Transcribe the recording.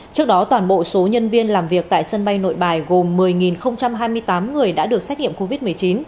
trước đó toàn bộ số nhân viên làm việc tại sân bay nội bài gồm một mươi hai mươi tám người đã được xét nghiệm covid một mươi chín